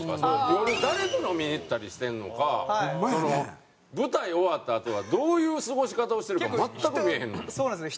夜誰と飲みに行ったりしてるのか舞台終わったあとはどういう過ごし方をしてるか全く見えへんのよ。